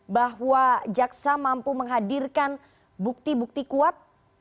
bahwa jaksa mampu menghadirkan bukti bukti kuat